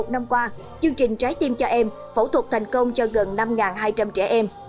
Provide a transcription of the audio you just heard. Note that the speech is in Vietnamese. một năm qua chương trình trái tim cho em phẫu thuật thành công cho gần năm hai trăm linh trẻ em